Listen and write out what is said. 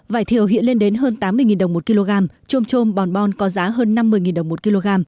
vải thiều hiện lên đến hơn tám mươi đồng một kg chôm chôm bòn bòn có giá hơn năm mươi đồng một kg